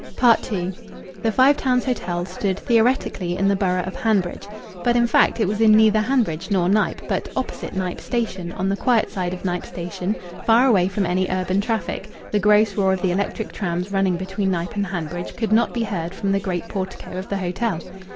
II The Five Towns Hotel stood theoretically in the borough of Hanbridge, but in fact it was in neither Hanbridge nor Knype, but "opposite Knype station," on the quiet side of Knype station, far away from any urban traffic; the gross roar of the electric trams running between Knype and Hanbridge could not be heard from the great portico of the hotel.